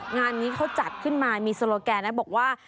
งานนี้เขาจัดขึ้นมามีโซโลแกนนะบอกว่า